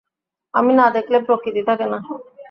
আমি না দেখলে প্রকৃতি থাকে না।